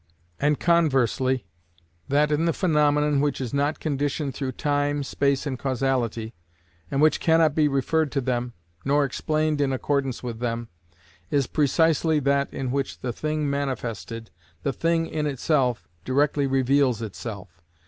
And conversely, that in the phenomenon which is not conditioned through time, space and causality, and which cannot be referred to them, nor explained in accordance with them, is precisely that in which the thing manifested, the thing in itself, directly reveals itself.